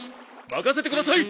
任せてください！